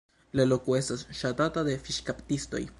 La loko estas ŝatata de fiŝkaptistoj.